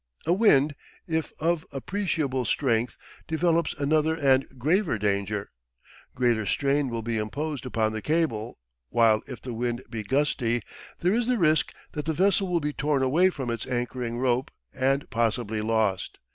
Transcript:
A wind, if of appreciable strength, develops another and graver danger. Greater strain will be imposed upon the cable, while if the wind be gusty, there is the risk that the vessel will be torn away from its anchoring rope and possibly lost.